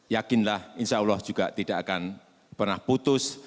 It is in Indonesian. yakinlah insyaallah juga tidak akan pernah putus